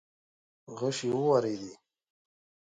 غشې وورېدې.